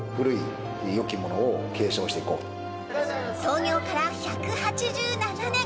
創業から１８７年。